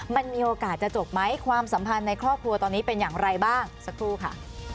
มันมีโอกาสจะจบไหมความสัมพันธ์ในครอบครัวตอนนี้เป็นอย่างไรบ้างสักครู่ค่ะ